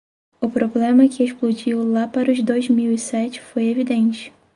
O problema que explodiu lá para os dois mil e sete foi evidente.